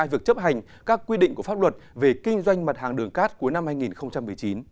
việc chấp hành các quy định của pháp luật về kinh doanh mặt hàng đường cát cuối năm hai nghìn một mươi chín